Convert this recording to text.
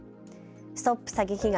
ＳＴＯＰ詐欺被害！